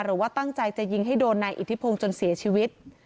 หรือว่าตั้งใจจะยิงให้โดนนายอิทธิพงศ์จนเสียชีวิต